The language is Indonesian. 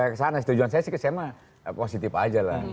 jadi kesana tujuan saya sih kesana positif aja lah